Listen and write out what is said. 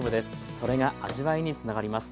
それが味わいにつながります。